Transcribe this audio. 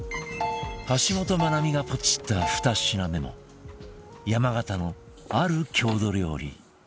橋本マナミがポチった２品目も山形のある郷土料理